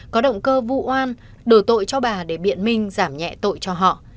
có động cơ vụ an đổ tội cho bà để biện minh giảm nhẹ tội cho họ